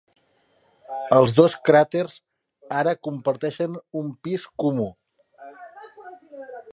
Els dos cràters ara comparteixen un pis comú.